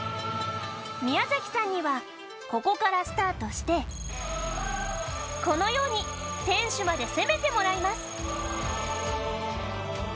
宮崎さんにはここからスタートしてこのように天守まで攻めてもらいます